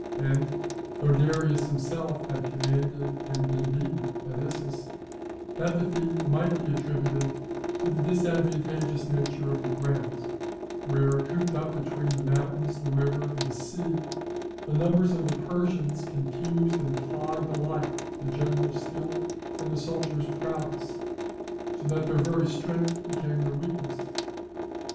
And, though Darius himself had commanded and been beaten at Issus, that defeat might be attributed to the disadvantageous nature of the ground; where, cooped up between the mountains, the river, and the sea, the numbers of the Persians confused and clogged alike the general's skill and the soldiers' prowess, so that their very strength became their weakness.